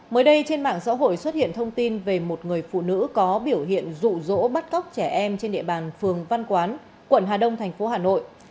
mới đây trên mạng xã hội xuất hiện thông tin về một người phụ nữ có biểu hiện rụ rỗ bắt cóc trẻ em trên địa bàn phường văn quán quận hà đông thành phố hà nội